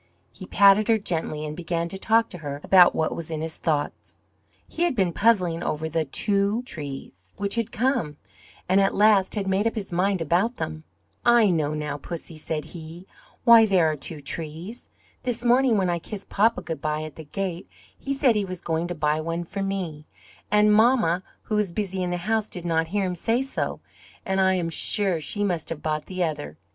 He patted her gently and began to talk to her about what was in his thoughts. He had been puzzling over the TWO trees which had come, and at last had made up his mind about them. "I know now, Pussy," said he, "why there are two trees. This morning when I kissed Papa good bye at the gate he said he was going to buy one for me, and mamma, who was busy in the house, did not hear him say so; and I am sure she must have bought the other.